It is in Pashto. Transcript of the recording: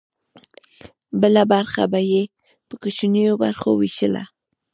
بله برخه به یې په کوچنیو برخو ویشله.